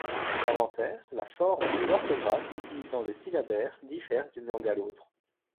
L'inventaire, la forme et l'orthographe utilisant le syllabaire diffèrent d'une langue à l'autre.